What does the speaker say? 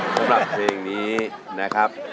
สำหรับเพลงนี้นะครับ